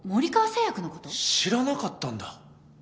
知らなかったんだ。